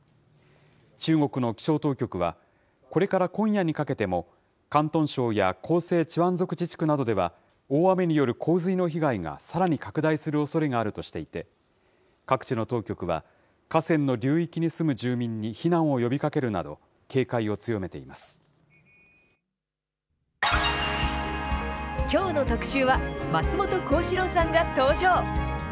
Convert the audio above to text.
中国の気象当局は、これから今夜にかけても、広東省や広西チワン族自治区などでは、大雨による洪水の被害がさらに拡大するおそれがあるとしていて、各地の当局は、河川の流域に住む住民に避難を呼びかけるなど、警きょうの特集は、松本幸四郎さんが登場。